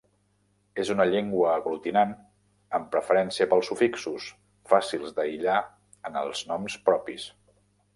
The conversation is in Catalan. És una llengua aglutinant amb preferència pels sufixos, fàcils d'aïllar en els noms propis.